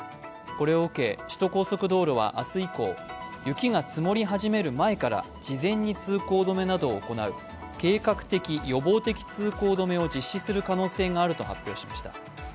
これを受け、首都高速道路は明日以降、雪が積もり始める前から事前に通行止めなどを行う計画的・予防的通行止めを実施する可能性があると発表しました。